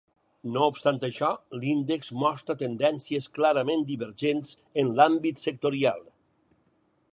No obstant això, l’índex mostra tendències clarament divergents en l’àmbit sectorial.